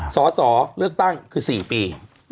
สอสอเลือกตั้งคือ๔ปี